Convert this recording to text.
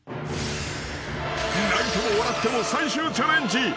［泣いても笑っても最終チャレンジ。